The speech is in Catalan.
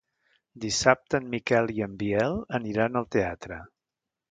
Dissabte en Miquel i en Biel aniran al teatre.